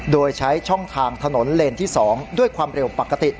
โดยใช้ช่องทางถนนเลนที่๒ด้วยความเร็วปกติ